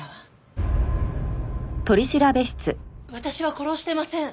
私は殺してません！